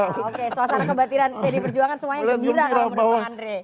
oke suasana kebatiran pd perjuangan semuanya gembira kalau menurut bang andre